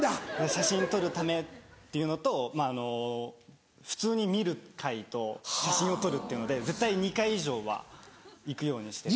写真撮るためっていうのとまぁあの普通に見る回と写真を撮るっていうので絶対２回以上は行くようにして。